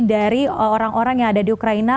dari orang orang yang ada di ukraina